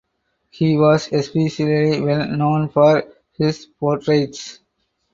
He was especially well known for his portraits.